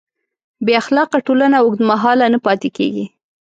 بېاخلاقه ټولنه اوږدمهاله نه پاتې کېږي.